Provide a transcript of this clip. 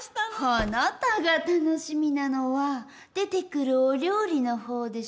あなたが楽しみなのは出てくるお料理のほうでしょ？